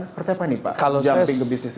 seperti apa nih pak jumping ke bisnis itu